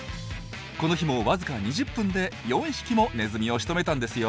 この日もわずか２０分で４匹もネズミをしとめたんですよ。